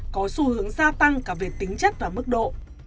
có xu hướng gia tăng cả về tính chất và mức độ